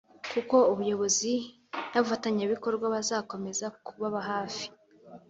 kuko ubuyobozi n’abafatanyabikorwa bazakomeza kubaba hafi